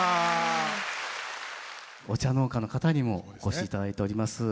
お茶農家の方にもお越し頂いております。